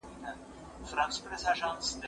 د طبي څېړني ساحه ډېره پراخه ده.